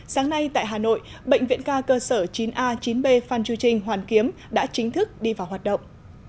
sáng nay tại hà nội bệnh viện ca cơ sở chín a chín b phan chu trinh hoàn kiếm đã chính thức đi vào hoạt động